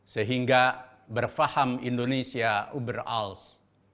sehingga berfaham indonesia uber als